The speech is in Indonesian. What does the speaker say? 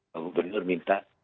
pak gubernur minta